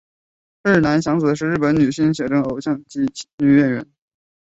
日南响子是日本女性写真偶像及女演员。